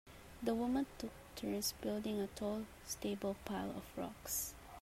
The women took turns building a tall stable pile of rocks.